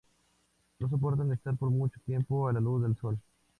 No soportan estar por mucho tiempo a la luz del sol.